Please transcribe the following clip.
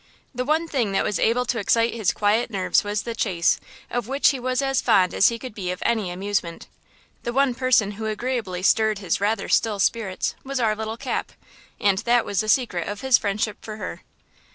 The one thing that was able to excite his quiet nerves was the chase, of which he was as fond as he could be of any amusement. The one person who agreeably stirred his rather still spirits was our little Cap, and that was the secret of his friendship for her.